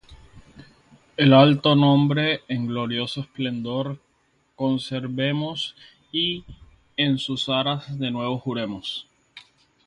el alto nombre en glorioso esplendor conservemos y en sus aras de nuevo juremos